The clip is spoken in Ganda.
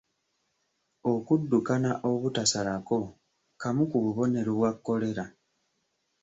Okuddukana obutasalako kamu ku bubonero bwa Kkolera.